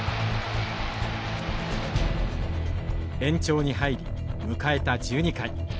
延長に入り迎えた１２回。